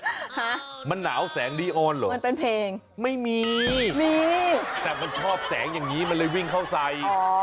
ฮะมันหนาวแสงดีอ่อนเหรอไม่มีแต่มันชอบแสงอย่างนี้มันเลยวิ่งเข้าใส่